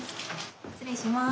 失礼します。